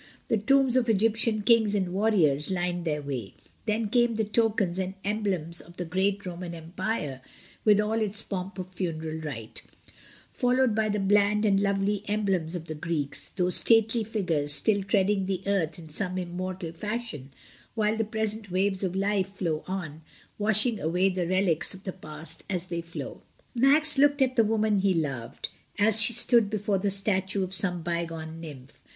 The tombs of Egyptian kings and warriors lined their way; then came the tokens and emblems of the great Roman empire, with all its pomp of funeral rite; followed by the bland and lovely emblems of the Greeks, those stately figures still treading the earth in some immortal fashion, while the present waves of life flow on, washing away the relics of the past as they flow. Max looked at the woman he loved, as she stood before the statue of some bygone nymph.